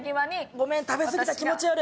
ごめん食べ過ぎた気持ち悪い。